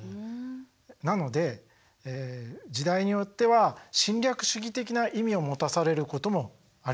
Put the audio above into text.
なので時代によっては侵略主義的な意味を持たされることもありました。